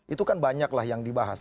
itu kan banyak lah yang dibahas